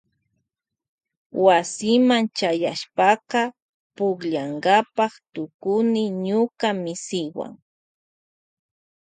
Wasima chayashpaka pukllankapa tukuni ñuka misiwan.